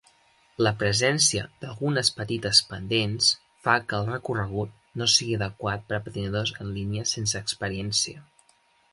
La presència d"algunes petites pendents fan que el recorregut no sigui adequat per a patinadors en línia sense experiència.